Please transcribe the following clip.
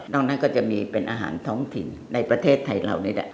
นั้นก็จะมีเป็นอาหารท้องถิ่นในประเทศไทยเรานี่แหละ